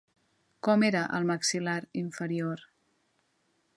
Com era el maxil·lar inferior?